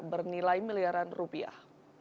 bernilai miliaran rupiah